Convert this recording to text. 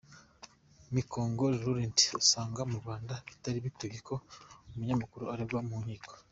Me Nkongori Laurent asanga mu Rwanda bitari bikwiye ko umunyamakuru aregwa mu nkiko.